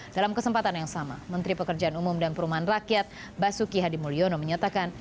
dalam kesempatan yang sama menteri pekerjaan umum dan perumahan rakyat basuki hadimulyono menyatakan